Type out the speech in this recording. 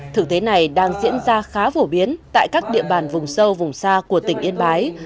thực tế này đang diễn ra khá phổ biến tại các địa bàn vùng sâu vùng xa của tỉnh yên bái